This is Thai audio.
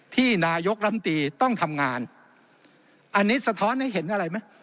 ที่นายกลำตีต้องทำงานอันนี้สะท้อนให้เห็นอะไรไหม